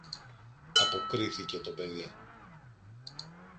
αποκρίθηκε το παιδί.